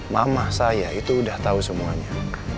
mama saya itu udah tahu semuanya